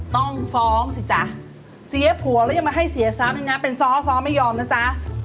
ต้องฟ้องสิจ๊ะเสียผัวแล้วยังมาให้เสียซ้ำอีกนะเป็นซ้อฟ้อไม่ยอมนะจ๊ะ